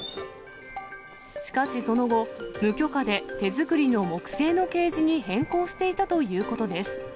しかしその後、無許可で手作りの木製のケージに変更していたということです。